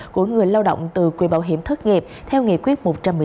của người lao động từ quỹ bảo hiểm thất nghiệp theo nghị quyết một trăm một mươi năm